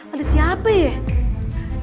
ada siapa ya